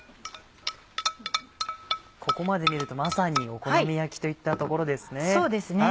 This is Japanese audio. ここまで見るとまさにお好み焼きといったところですね。